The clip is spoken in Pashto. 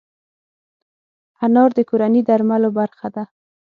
انار د کورني درملو برخه ده.